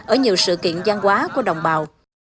ở nhiều sự kiện văn hóa của đồng bào